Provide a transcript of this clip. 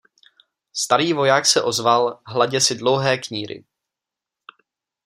Starý voják se ozval, hladě si dlouhé kníry.